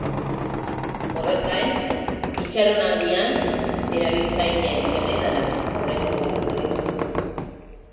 Horrez gain, itxaronaldian erabiltzaileen jan-edanak ordaindu beharko ditu.